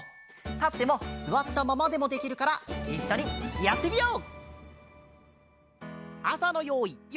たってもすわったままでもできるからいっしょにやってみよう！